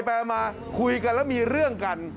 มาคุยกันแล้วมีเรื่องกัน